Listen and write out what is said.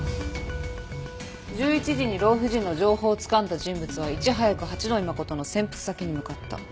１１時に老婦人の情報をつかんだ人物はいち早く八野衣真の潜伏先に向かった。